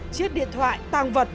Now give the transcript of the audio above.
chiếc điện thoại tàng vật